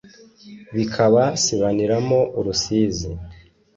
Bikaba sibaniramo urusizi